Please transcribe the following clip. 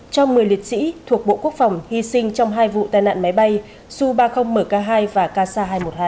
cho một mươi liệt sĩ thuộc bộ quốc phòng hy sinh trong hai vụ tai nạn máy bay su ba mươi mk hai và kc hai trăm một mươi hai